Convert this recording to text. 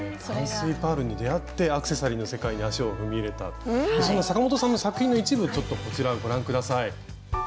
淡水パールに出会ってアクセサリーの世界に足を踏み入れたそんなサカモトさんの作品の一部ちょっとこちらご覧下さい。